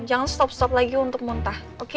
jangan stop stop lagi untuk muntah